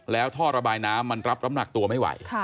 แล้วท่อระบายน้ำมันรับน้ำหนักตัวไม่ไหว